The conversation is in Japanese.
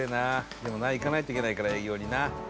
でもな行かないといけないから営業にな。